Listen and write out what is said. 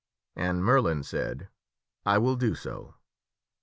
And Merlin said, " I will do so."